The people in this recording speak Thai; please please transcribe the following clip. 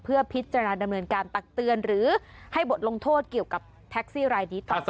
เพื่อพิจารณาดำเนินการตักเตือนหรือให้บทลงโทษเกี่ยวกับแท็กซี่รายนี้ต่อไป